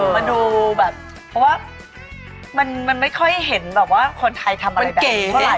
มันดูแบบเพราะว่ามันไม่ค่อยเห็นแบบว่าคนไทยทำอะไรมันเก๋เท่าไหร่